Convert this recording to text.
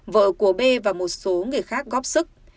vợ của b và một số người khác góp sức